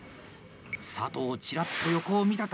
佐藤、チラッと横を見たか！？